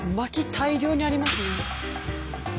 薪大量にありますね。